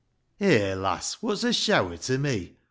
IV. Eh, lass, what's a sheawer to me